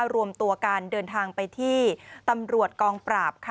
รวมตัวกันเดินทางไปที่ตำรวจกองปราบ